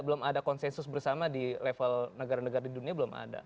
belum ada konsensus bersama di level negara negara di dunia belum ada